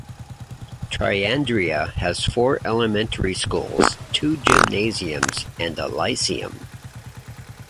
Triandria has four elementary schools, two gymnasiums and a lyceum.